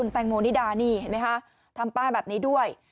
ทำป้ายแบบนี้ด้วย